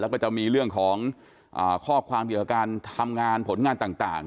แล้วก็จะมีเรื่องของข้อความเกี่ยวกับการทำงานผลงานต่าง